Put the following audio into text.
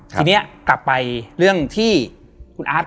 แล้วกลับไปกับเรื่องที่คุณอาร์ช์